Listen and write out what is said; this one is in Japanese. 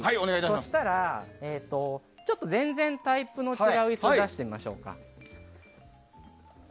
そうしたら、ちょっと全然タイプの違う椅子を出してみましょうか。